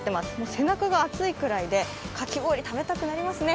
背中が暑いくらいでかき氷食べたくなりますね。